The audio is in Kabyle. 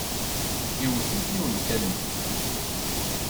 Iwet-it yiwen n ukamyun.